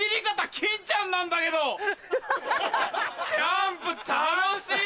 キャンプ楽しい‼